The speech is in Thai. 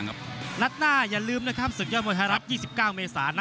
ตกใจหรือเปล่า